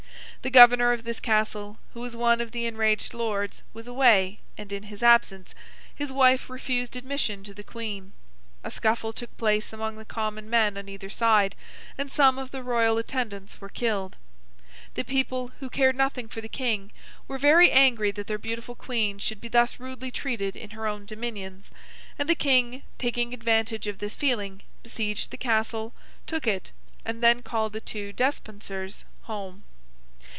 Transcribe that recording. The governor of this castle, who was one of the enraged lords, was away, and in his absence, his wife refused admission to the Queen; a scuffle took place among the common men on either side, and some of the royal attendants were killed. The people, who cared nothing for the King, were very angry that their beautiful Queen should be thus rudely treated in her own dominions; and the King, taking advantage of this feeling, besieged the castle, took it, and then called the two Despensers home.